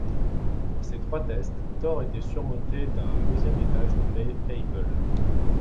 Pour ces trois tests, Thor était surmonté d'un deuxième étage nommé Able.